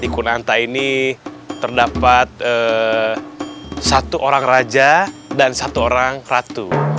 di kunanta ini terdapat satu orang raja dan satu orang ratu